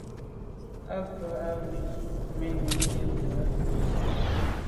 À bə α̂ wə Yə̂n mɛ̀n nî bə α̂ wə.